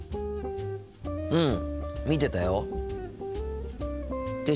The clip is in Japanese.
うん見てたよ。って